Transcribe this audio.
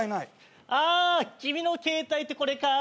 ・あ君の携帯ってこれかい？